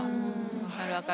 分かる分かる。